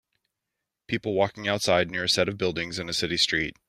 People walking outside near a set of buildings and a city street.